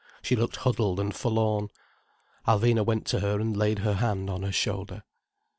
She looked huddled and forlorn. Alvina went to her and laid her hand on her shoulder.